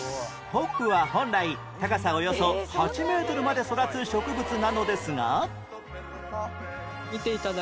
ホップは本来高さおよそ８メートルまで育つ植物なのですが